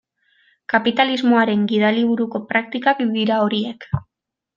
Kapitalismoaren gidaliburuko praktikak dira horiek.